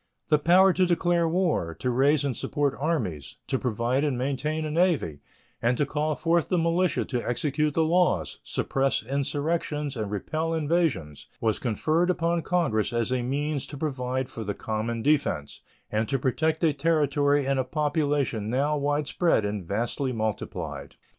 The power to declare war, to raise and support armies, to provide and maintain a navy, and to call forth the militia to execute the laws, suppress insurrections, and repel invasions was conferred upon Congress as means to provide for the common defense and to protect a territory and a population now widespread and vastly multiplied.